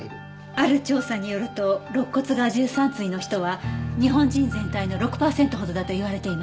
ある調査によると肋骨が１３対の人は日本人全体の６パーセントほどだといわれています。